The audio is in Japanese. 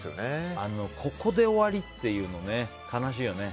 ここで終わりっていうの悲しいよね。